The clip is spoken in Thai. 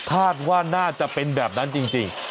คาดว่าน่าจะเป็นแบบนั้นจริง